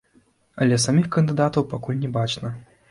Але саміх кандыдатаў пакуль не бачна.